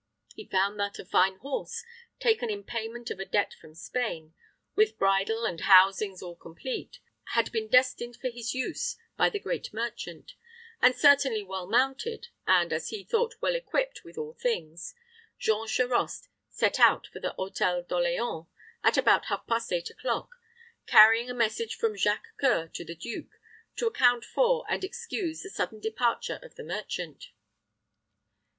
He found that a fine horse, taken in payment of a debt from Spain, with bridle and housings all complete, had been destined for his use by the great merchant; and certainly well mounted, and, as he thought, well equipped with all things, Jean Charost set out for the Hôtel d'Orleans, at about half past eight o'clock, carrying a message from Jacques C[oe]ur to the duke, to account for and excuse the sudden departure of the merchant.